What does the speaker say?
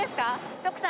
徳さん